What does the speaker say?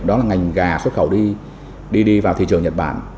đó là ngành gà xuất khẩu đi vào thị trường nhật bản